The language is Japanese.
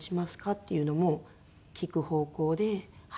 っていうのも聞く方向で。